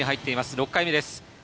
６回目です。